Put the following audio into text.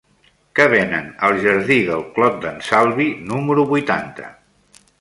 Què venen al jardí del Clot d'en Salvi número vuitanta?